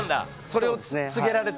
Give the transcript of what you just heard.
それを告げられて。